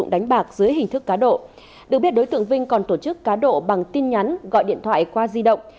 được biết đối tượng vinh còn tổ chức cá độ bằng tin nhắn gọi điện thoại qua di động